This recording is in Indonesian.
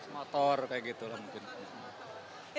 motor kayak gitu lah mungkin